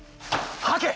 はけ！